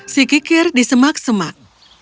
si kikir di semak semak